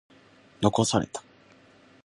残された。